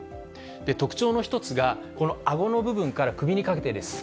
特徴の一つが、このあごの部分から首にかけてです。